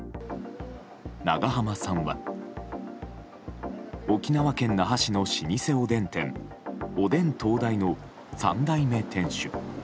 長濱さんは沖縄県那覇市の老舗おでん店おでん東大の３代目店主。